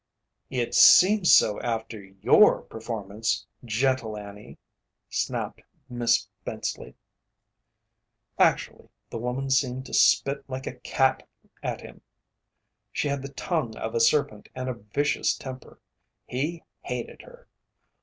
"It seemed so, after your performance, 'Gentle Annie'!" snapped Miss Spenceley. Actually the woman seemed to spit like a cat at him! She had the tongue of a serpent and a vicious temper. He hated her!